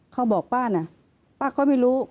เขาบอกป้าน่ะป้าก็ไม่รู้